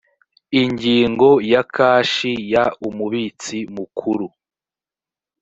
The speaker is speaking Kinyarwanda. ingingo ya kashi y umubitsi mukuru